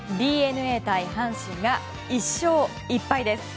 ＤｅＮＡ対阪神が１勝１敗です。